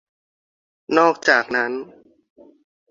นอกจากนั้น